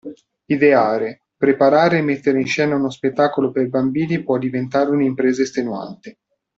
Ideare, preparare e mettere in scena uno spettacolo per bambini può diventare un'impresa estenuante.